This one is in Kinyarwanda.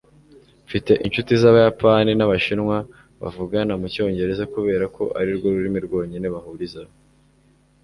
mfite inshuti z'abayapani n'abashinwa bavugana mu cyongereza kubera ko ari rwo rurimi rwonyine bahurizaho